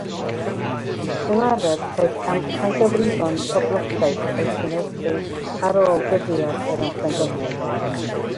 Fel arfer caiff amcangyfrifon poblogaeth eu cynhyrchu ar ôl dyddiad yr amcangyfrif.